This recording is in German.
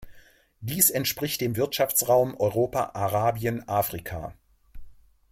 Dies entspricht dem Wirtschaftsraum Europa-Arabien-Afrika.